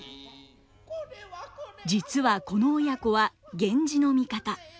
実はこの親子は源氏の味方。